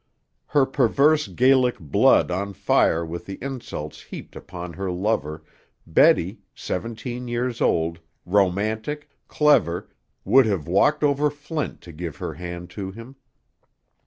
Her perverse Gaelic blood on fire with the insults heaped upon her lover, Betty, seventeen years old, romantic, clever, would have walked over flint to give her hand to him.